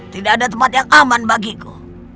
tidak ada tempat yang aman bagiku